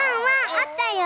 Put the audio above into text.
あったよ。